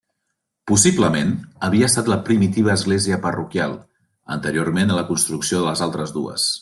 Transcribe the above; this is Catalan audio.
Possiblement havia estat la primitiva església parroquial, anteriorment a la construcció de les altres dues.